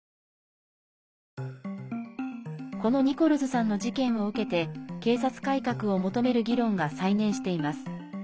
このニコルズさんの事件を受けて警察改革を求める議論が再燃しています。